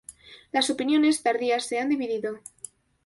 Las opiniones tardías se han dividido.